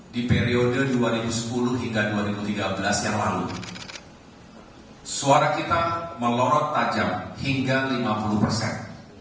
di periode dua ribu sepuluh hingga dua ribu tiga belas yang lalu suara kita melorot tajam hingga lima puluh persen